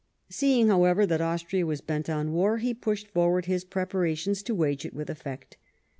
Seeing, however, that Austria was bent on war, he pushed forward his preparations to wage it with effect.